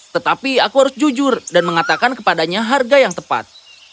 tetapi aku harus jujur dan mengatakan kepadanya harga yang tepat